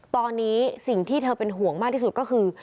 ตอนนี้สิ่งที่เธอเป็นห่วงมากที่สุดก็คือ